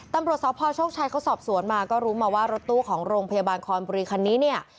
ตำรวจสพโชคชัยเขาสอบสวนมาก็รู้มาว่ารถตู้ของโรงพยาบาลคอนบุรีคันนี้เนี่ย